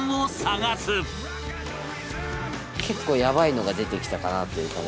結構やばいのが出てきたかなという感じ。